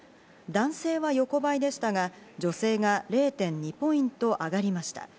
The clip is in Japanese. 男性は横ばいでしたが、女性が０．２ポイント上がりました。